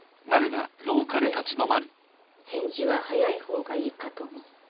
なので返事は早い方がいいかと思って。